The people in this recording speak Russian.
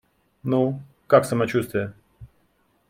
Ну, как самочуствие?